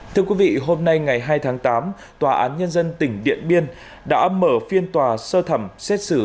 thưa quý vị hôm nay ngày hai tháng tám tòa án nhân dân tỉnh điện biên đã mở phiên tòa sơ thẩm xét xử